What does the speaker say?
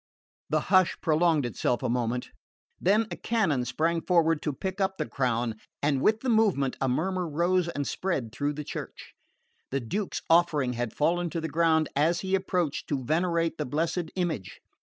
The hush prolonged itself a moment; then a canon sprang forward to pick up the crown, and with the movement a murmur rose and spread through the church. The Duke's offering had fallen to the ground as he approached to venerate the blessed image.